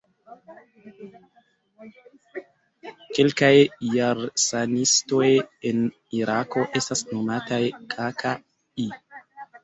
Kelkaj Jarsanistoj en Irako estas nomataj "Kaka'i".